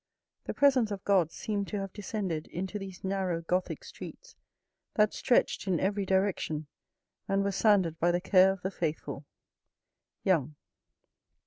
The presence of God seemed to have descended into these narrow Gothic streets that stretched in every direction, and were sanded by the care of the faithful. — Young.